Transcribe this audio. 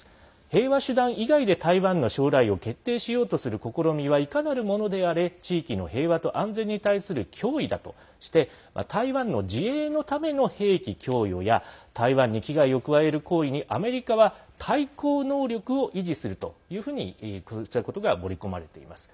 平和手段以外で台湾の将来を決定しようとする試みはいかなるものであれ地域の平和と安全に対する脅威だとして台湾の自衛のための兵器供与や台湾に危害を加える行為にアメリカは対抗能力を維持するというふうにこうしたことが盛り込まれています。